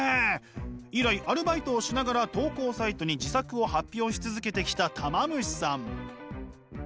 以来アルバイトをしながら投稿サイトに自作を発表し続けてきたたま虫さん。